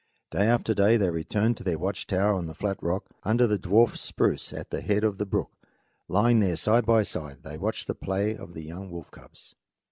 Day after day they returned to their watch tower on the flat rock, under the dwarf spruce at the head of the brook, and lying there side by side they watched the play of the young wolf cubs.